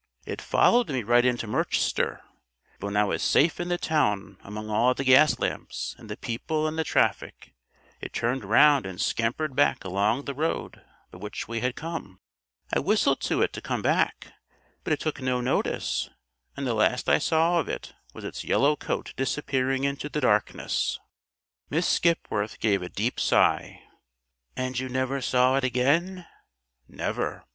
"It followed me right into Merchester; but when I was safe in the town among all the gas lamps and the people and the traffic, it turned round and scampered back along the road by which we had come. I whistled to it to come back, but it took no notice; and the last I saw of it was its yellow coat disappearing into the darkness." Miss Skipworth gave a deep sigh. "And you never saw it again?" "Never."